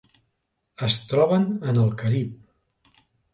Es troben en el Carib.